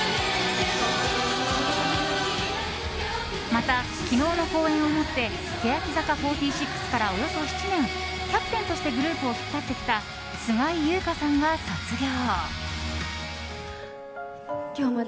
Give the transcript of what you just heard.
また、昨日の公演をもって欅坂４６からおよそ７年キャプテンとしてグループを引っ張ってきた菅井友香さんが卒業。